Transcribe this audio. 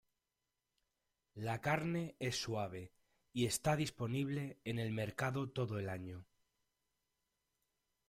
La carne es suave y está disponible en el mercado todo el año.